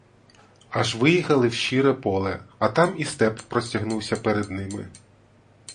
Аж виїхали в щире поле, а там і степ простягнувся перед ними.